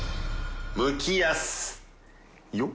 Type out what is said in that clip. よっ。